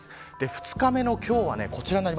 ２日目の今日はこちら。